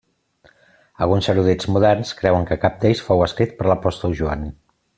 Alguns erudits moderns creuen que cap d'ells fou escrit per l'apòstol Joan.